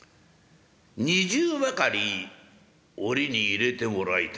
２０ばかり折に入れてもらいたいが」。